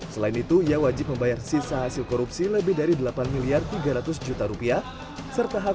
selain itu ia wajib membayar sisa hasil korupsi lebih dari delapan miliar tiga ratus juta rupiah